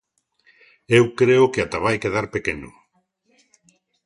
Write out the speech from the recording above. Eu creo que ata vai quedar pequeno.